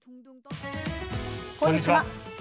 こんにちは。